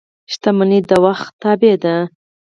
• شتمني د وخت تابع ده.